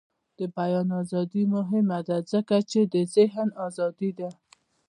د بیان ازادي مهمه ده ځکه چې د ذهن ازادي ده.